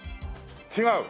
違う？